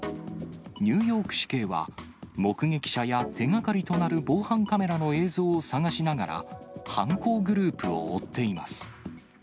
ニューヨーク市警は、目撃者や手がかりとなる防犯カメラの映像を探しながら、犯行グループを追っています。